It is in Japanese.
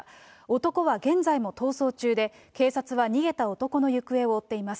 男は現在も逃走中で、警察は逃げた男の行方を追っています。